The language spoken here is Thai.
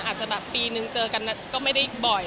อาจจะแบบปีนึงเจอกันก็ไม่ได้บ่อย